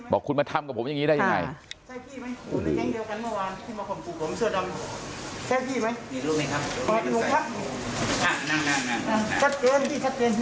บอกคุณมาทำกับผมอย่างนี้ได้ยังไง